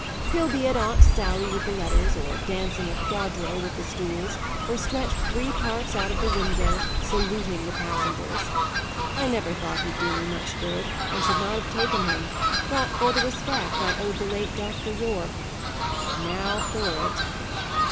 He'll be at Aunt Sally with the letters, or dancing a quadrille with the stools, or stretched three parts out of the window, saluting the passengers. I never thought he'd do me much good, and should not have taken him, but for the respect I owed the late Dr. Yorke. Now for it!"